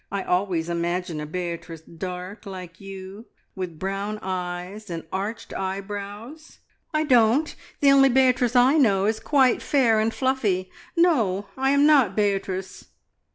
I always imagine a Beatrice dark like you, with brown eyes and arched eyebrows." "I don't! The only Beatrice I know is quite fair and fluffy. No, I am not Beatrice!"